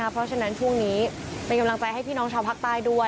เพราะฉะนั้นช่วงนี้เป็นกำลังใจให้พี่น้องชาวภาคใต้ด้วย